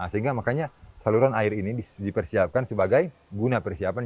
sehingga makanya saluran air ini dipersiapkan sebagai guna persiapan